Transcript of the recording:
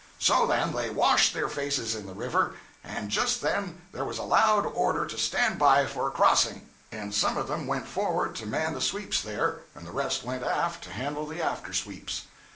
So then they washed their faces in the river; and just then there was a loud order to stand by for a crossing, and some of them went forward to man the sweeps there, and the rest went aft to handle the after sweeps.